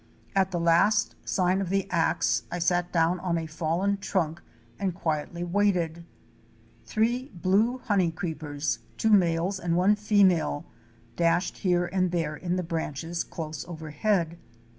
At the last sign of the axe I sat down on a fallen trunk and quietly waited. Three Blue Honey Creepers —two males and one green female, — dashed here and there in the branches close overhead.